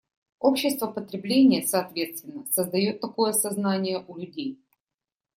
Общество потребления, соответственно, создает такое сознание у людей.